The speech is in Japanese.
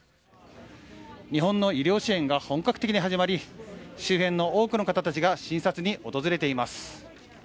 日本の医療支援が本格的に始まり、周辺の多くの方たちが、診察に訪れています。